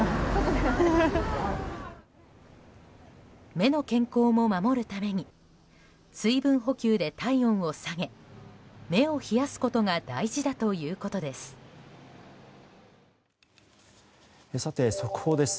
目の健康も守るために水分補給で体温を下げ目を冷やすことが大事だということです。